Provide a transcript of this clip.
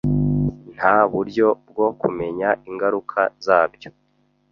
Nta buryo bwo kumenya ingaruka zabyo.